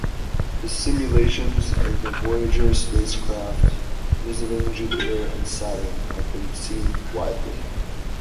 His simulations of the Voyager spacecraft visiting Jupiter and Saturn have been seen widely.